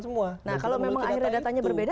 semua nah kalau memang akhirnya datanya berbeda